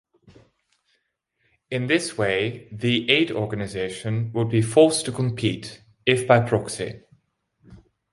In this way, the aid organization would be forced to compete, if by proxy.